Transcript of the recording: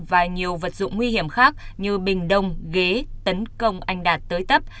và nhiều vật dụng nguy hiểm khác như bình đông ghế tấn công anh đạt tới tấp